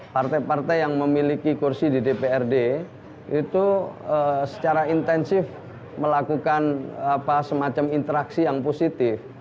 partai partai yang memiliki kursi di dprd itu secara intensif melakukan semacam interaksi yang positif